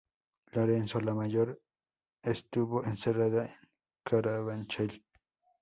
Lorenzo, la mayor, estuvo encerrada en Carabanchel.